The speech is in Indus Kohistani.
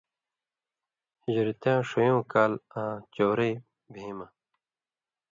ہِجرتیاں ݜویوں کال آں چؤرَیں بھېں مہ